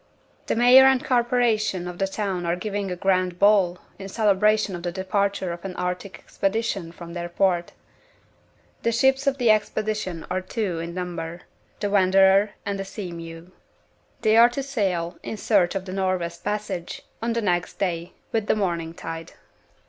The Mayor and Corporation of the town are giving a grand ball, in celebration of the departure of an Arctic expedition from their port. The ships of the expedition are two in number the Wanderer and the Sea mew. They are to sail (in search of the Northwest Passage) on the next day, with the morning tide.